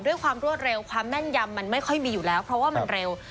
ด้วยความรวดเร็วความแม่นยำมันไม่ค่อยมีอยู่แล้วเพราะว่ามันเร็ว